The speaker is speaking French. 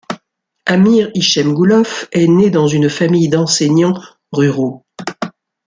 Amir Ichemgoulov est né dans une famille d'enseignants ruraux.